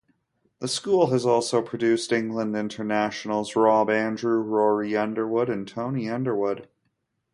The school has also produced England internationals Rob Andrew, Rory Underwood, and Tony Underwood.